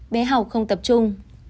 bé học không tập trung